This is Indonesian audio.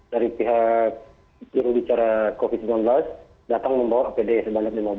dari pihak jurubicara covid sembilan belas datang membawa apd sebanyak lima belas